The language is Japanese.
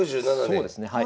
そうですねはい。